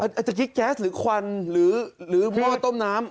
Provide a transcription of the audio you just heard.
อาจจะกิ๊กแก๊สหรือควันหรือหม้อต้มน้ำ